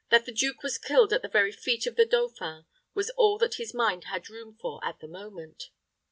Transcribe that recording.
That the duke was killed at the very feet of the dauphin, was all that his mind had room for at the moment.